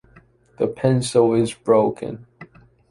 The pencil is broken.